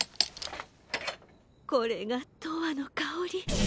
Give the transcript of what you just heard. これが「とわのかおり」。